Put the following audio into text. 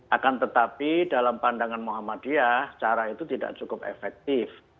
akan tetapi dalam pandangan muhammadiyah cara itu tidak cukup efektif